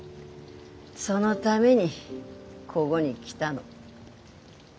そのためにこごに来たの。